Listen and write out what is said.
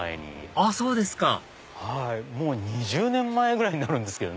あっそうですか２０年前ぐらいになるんですけど。